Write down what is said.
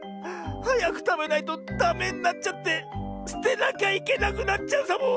はやくたべないとダメになっちゃってすてなきゃいけなくなっちゃうサボ。